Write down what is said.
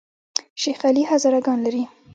شیخ علي هزاره ګان لري؟